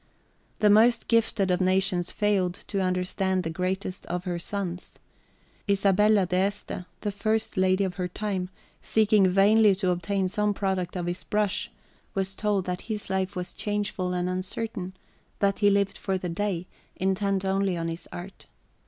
The most gifted of nations failed to understand the greatest of her sons. Isabella d'Este, the first lady of her time, seeking vainly to obtain some product of his brush, was told that his life was changeful and uncertain, that he lived for the day, intent only on his art.